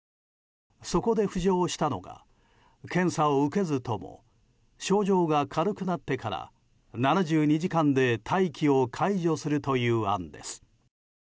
そこで浮上したのが検査を受けずとも症状が軽くなってから７２時間で待機を解除するという案です。